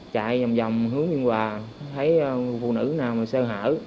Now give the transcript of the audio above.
chạy vòng vòng hướng nhân hòa thấy phụ nữ nào mà xe hở